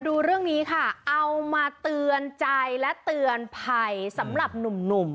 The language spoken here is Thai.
ดูเรื่องนี้ค่ะเอามาเตือนใจและเตือนภัยสำหรับหนุ่ม